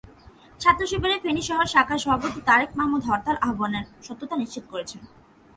ছাত্রশিবিরের ফেনী শহর শাখার সভাপতি তারেক মাহমুদ হরতাল আহ্বানের সত্যতা নিশ্চিত করেছেন।